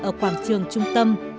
ở quảng trường trung tâm